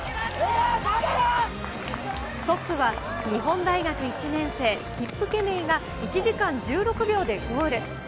トップは日本大学１年生、キップケメイが１時間１６秒でゴール。